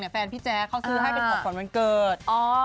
แฟนพี่แจ๊ก็ซื้อให้เป็นของขวานวรรณ์เกิด